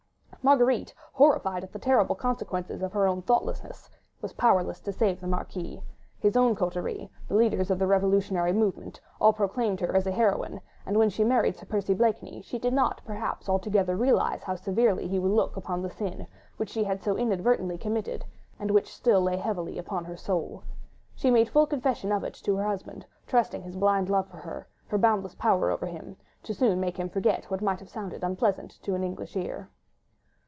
Marguerite, horrified at the terrible consequences of her own thoughtlessness, was powerless to save the Marquis: her own coterie, the leaders of the revolutionary movement, all proclaimed her as a heroine: and when she married Sir Percy Blakeney, she did not perhaps altogether realise how severely he would look upon the sin, which she had so inadvertently committed, and which still lay heavily upon her soul. She made full confession of it to her husband, trusting to his blind love for her, her boundless power over him, to soon make him forget what might have sounded unpleasant to an English ear.